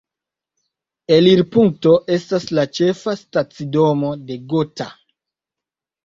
Elirpunkto estas la ĉefa stacidomo de Gotha.